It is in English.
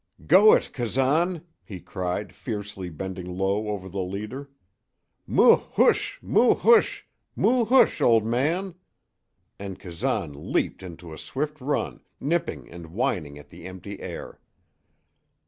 "Go it, Kazan!" he cried, fiercely, bending low over the leader. "Moo hoosh moo hoosh moo hoosh, old man!" And Kazan leaped into a swift run, nipping and whining at the empty air.